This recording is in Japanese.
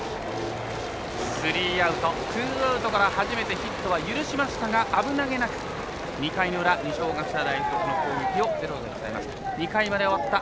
スリーアウト、ツーアウトから初めてヒットは許しましたが危なげなく２回の裏二松学舎大付属の攻撃をゼロに抑えました。